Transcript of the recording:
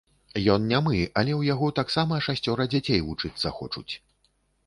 Ён нямы, але ў яго таксама шасцёра дзяцей вучыцца хочуць!